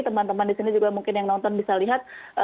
teman teman di sini juga mungkin yang nonton bisa lihat